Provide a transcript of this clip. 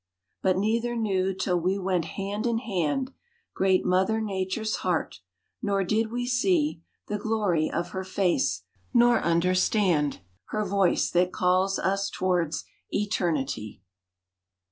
But neither knew till we went hand in hand Great Mother Nature's heart, nor did we see The glory of her face, nor understand Her voice that calls us towards Eternity.